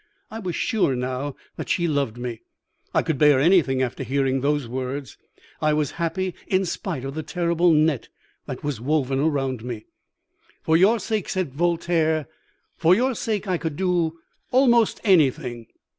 I was sure now that she loved me. I could bear anything after hearing those words. I was happy in spite of the terrible net that was woven around me. "'For your sake,' said Voltaire 'for your sake I could do almost anything.